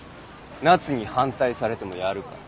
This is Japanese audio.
ナツに反対されてもやるから。